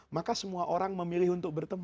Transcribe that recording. maka semua orang memilih untuk bertemu